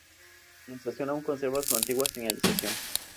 La estación, aún conserva su antigua señalización.